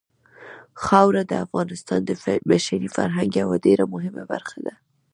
خاوره د افغانستان د بشري فرهنګ یوه ډېره مهمه برخه ده.